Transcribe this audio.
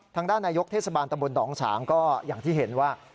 ทางด้านนายกเทศบาลตำบลหนองฉางก็อย่างที่เห็นว่า